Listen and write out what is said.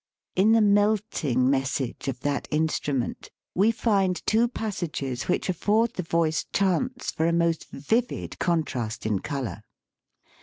In the " melting " message of that instrument we find two passages which afford the voice chance for a most vivid contrast in color.